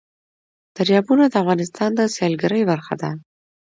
دریابونه د افغانستان د سیلګرۍ برخه ده.